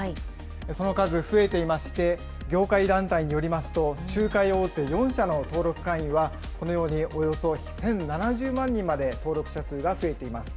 その数増えていまして、業界団体によりますと、仲介大手４社の登録会員は、このようにおよそ１０７０万人まで登録者数が増えています。